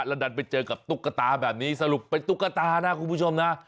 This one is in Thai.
แล้วดันไปเจอกับตุ๊กตาแบบนี้สรุปเป็นตุ๊กตานะคุณผู้ชมนะ